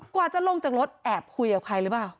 กว่าจะลงจากรถแอบคุยกับใครหรือเปล่า